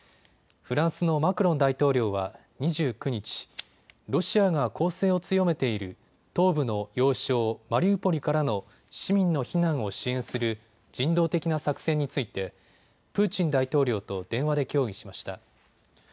フランスのマクロン大統領は２９日、ロシアが攻勢を強めている東部の要衝マリウポリからの市民の避難を支援する人道的な作戦についてプーチン大統領と電話で協議しました。